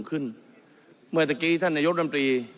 เมื่อเมื่อตะกี้ท่านนายกล้อมบริ